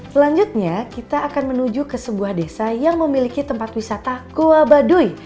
selanjutnya kita akan menuju ke sebuah desa yang memiliki tempat wisata goa baduy